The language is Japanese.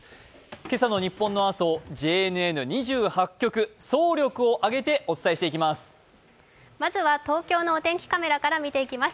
今朝のニッポンの朝をＪＮＮ２６局、総力を挙げてお伝えしていきます。